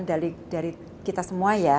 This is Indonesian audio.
ada keberadaan dari kita semua ya